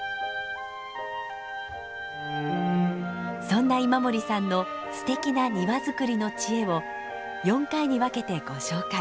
そんな今森さんのすてきな庭づくりの知恵を４回に分けてご紹介。